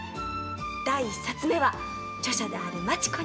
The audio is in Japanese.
第１冊目は著者であるマチ子に。